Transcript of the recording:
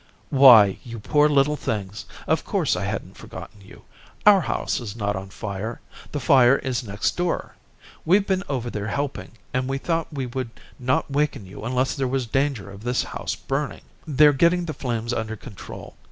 "Why, you poor little things. Of course, I hadn't forgotten you. Our house is not on fire. The fire is next door. We've been over there helping, and we thought we would not waken you unless there was danger of this house burning. They're getting the flames under control.